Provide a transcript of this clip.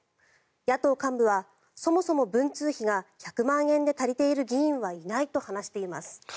野党幹部はそもそも文通費が１００万円で足りている議員はいないと話しています。